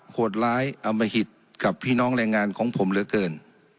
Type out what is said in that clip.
โหดร้ายอมหิตกับพี่น้องแรงงานของผมเหลือเกิน